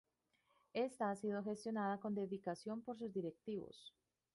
Ésta ha sido gestionada con dedicación por sus directivos.